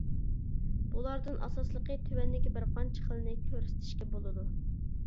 بۇلاردىن ئاساسلىقى تۆۋەندىكى بىر قانچە خىلنى كۆرسىتىشكە بولىدۇ.